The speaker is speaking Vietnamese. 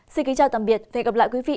xin kính chào tạm biệt và hẹn gặp lại quý vị